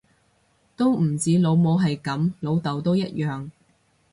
都唔止老母係噉，老竇都一樣